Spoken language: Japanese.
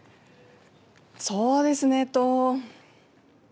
そうですね。